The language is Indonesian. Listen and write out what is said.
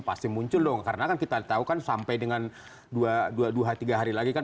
pasti muncul dong karena kan kita tahu kan sampai dengan dua tiga hari lagi kan